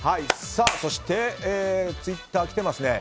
そして、ツイッターきてますね。